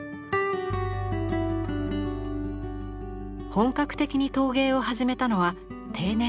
本格的に陶芸を始めたのは定年後。